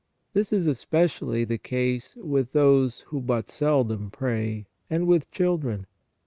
This is especially the case with those who but seldom pray and with children.